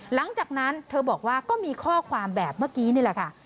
หลังจากนั้นเธอบอกว่าก็มีข้อความแบบเมื่อกี้นี่แหละค่ะ